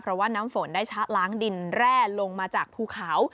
เพราะว่าน้ำฝนได้ชะล้างดินแร่ลงมาจากภูเขา